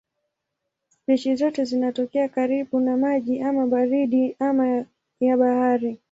Spishi zote zinatokea karibu na maji ama baridi ama ya bahari.